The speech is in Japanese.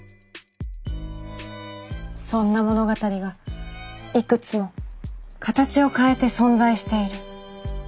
そんな物語がいくつも形を変えて存在している。